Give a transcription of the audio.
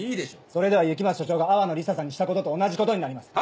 それでは雪松署長が淡野リサさんにしたことと同じことになります。